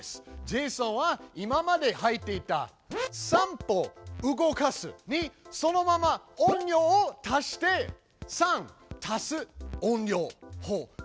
ジェイソンは今まで入っていた「３歩動かす」にそのまま「音量」を足して「歩動かす」にしていました。